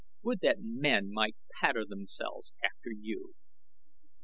Would that men might pattern themselves after you!"